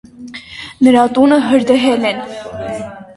Իսկ նրա տունը հրդեհել են։